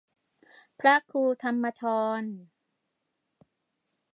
พระครูธรรมธร